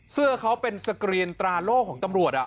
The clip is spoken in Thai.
เสื้อเขาเป็นสกรีนตราโล่ของตำรวจ